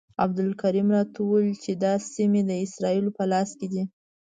عبدالکریم راته وویل چې دا سیمې د اسرائیلو په لاس کې دي.